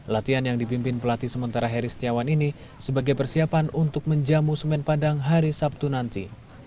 latihan yang dipimpin pelatih sementara heri setiawan ini sebagai persiapan untuk menjamu semen padang hari sabtu nanti